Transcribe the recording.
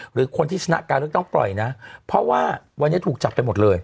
หรือคนที่ชนะการเลือกตั้งปล่อยนะเพราะว่าวันนี้ถูกจับไปหมดเลย